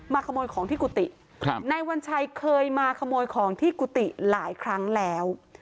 ขโมยของที่กุฏิครับนายวัญชัยเคยมาขโมยของที่กุฏิหลายครั้งแล้ว